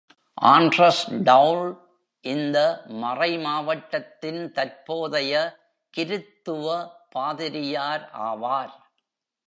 Andres டௌல் இந்த மறைமாவட்டத்தின் தற்போதைய கிருத்துவ பாதிரியார் ஆவார்.